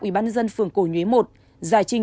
ủy ban dân phường cổ nhuế một giải trình